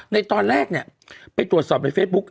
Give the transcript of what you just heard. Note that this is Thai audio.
ในตอนแรกเนี่ยไปตรวจสอบในเฟซบุ๊ค